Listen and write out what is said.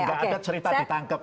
enggak ada cerita ditangkep